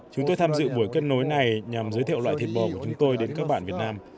chúng tôi tham dự buổi kết nối này nhằm giới thiệu loại thịt bò của chúng tôi đến các bạn việt nam